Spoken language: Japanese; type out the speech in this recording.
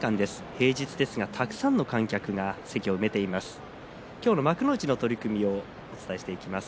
平日ですがたくさんの観客が席を埋めています。